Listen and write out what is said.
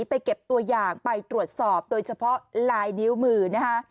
ไปเก็บตัวอย่างไปตรวจสอบโดยเฉพาะลายนิ้วมือนะคะ